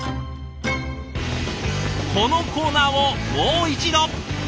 このコーナーをもう一度！